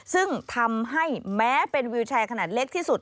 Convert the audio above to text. ซึ่งทำให้แม้เป็นวิวแชร์ขนาดเล็กที่สุด